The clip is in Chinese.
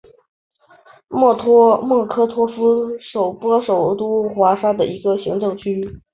莫科托夫区是波兰首都华沙的一个行政区。